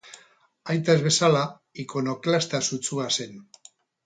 Aita ez bezala, ikonoklasta sutsua zen.